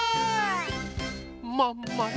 まんまる